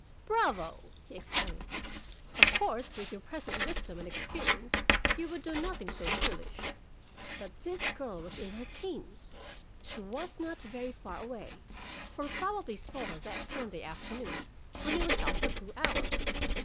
"Bravo!" he exclaimed. "Of course, with your present wisdom and experience, you would do nothing so foolish. But this girl was in her teens; she was not very far away, for he probably saw her that Sunday afternoon, when he was out for two hours.